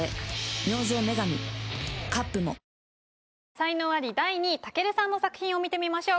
才能アリ第２位武尊さんの作品を見てみましょう。